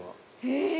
へえ。